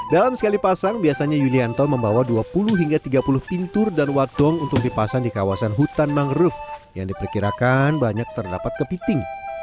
dalam sekali pasang biasanya yulianto membawa dua puluh hingga tiga puluh pintur dan wadong untuk dipasang di kawasan hutan mangrove yang diperkirakan banyak terdapat kepiting